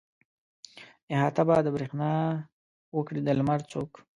احاطه به د برېښنا وکړي د لمر څوک.